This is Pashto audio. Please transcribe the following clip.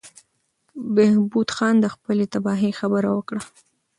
بهبود خان د خپلې تباهۍ خبره وکړه.